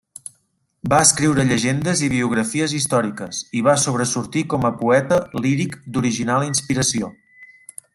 Va escriure llegendes i biografies històriques, i va sobresortir com a poeta líric d'original inspiració.